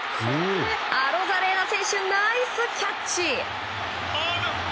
アロザレーナ選手ナイスキャッチ！